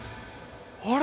あれ？